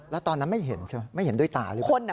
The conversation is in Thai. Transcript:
แล้วตอนนั้นไม่เห็นใช่ไหมไม่เห็นด้วยตาหรือเปล่า